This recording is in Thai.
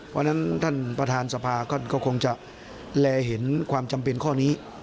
เพราะฉะนั้นท่านประธานสภาก็คงจะแลเห็นความจำเป็นข้อนี้